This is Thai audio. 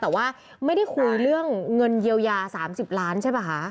แต่ว่าไม่ได้คุยเรื่องเงินเยียวยา๓๐ล้านใช่ป่ะคะ